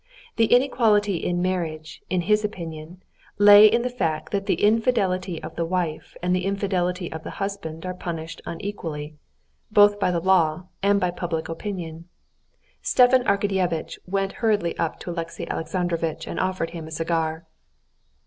The inequality in marriage, in his opinion, lay in the fact that the infidelity of the wife and the infidelity of the husband are punished unequally, both by the law and by public opinion. Stepan Arkadyevitch went hurriedly up to Alexey Alexandrovitch and offered him a cigar.